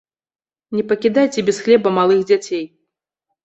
Не пакідайце без хлеба малых дзяцей!